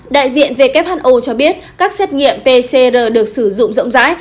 đại diện who cho biết các xét nghiệm pcr được sử dụng rộng rãi